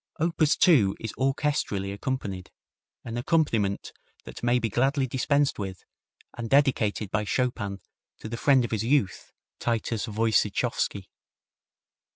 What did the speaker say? Op. 2 is orchestrally accompanied, an accompaniment that may be gladly dispensed with, and dedicated by Chopin to the friend of his youth, Titus Woyciechowski.